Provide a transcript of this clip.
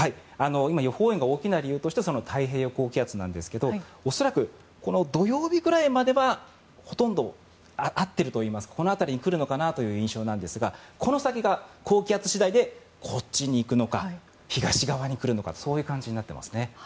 予報円が大きな理由として太平洋高気圧なんですが恐らく、土曜日くらいまではほとんど合っているというかこの辺りに来るのかなという印象なんですがこの先が高気圧次第で西に行くのか東側に来るのかとそういう感じになっています。